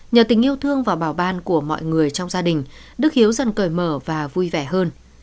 nhờ tình yêu thương và bảo ban của mọi người trong gia đình đức hiếu dần cởi mở và vui vẻ hơn